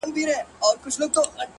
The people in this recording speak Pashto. o اوس كرۍ ورځ زه شاعري كومه،